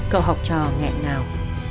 cậu học trò nghẹn ngào